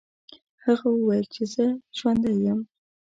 هغه وویل چې زه ژوندی یم.